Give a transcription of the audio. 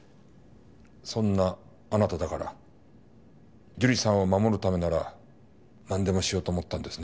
そんなあなただから樹里さんを守るためならなんでもしようと思ったんですね